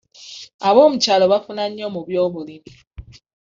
Aboomukyalo bafuna nnyo mu by'obulimi.